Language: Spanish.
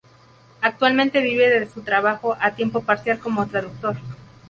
Actualmente vive de su trabajo a tiempo parcial como traductor.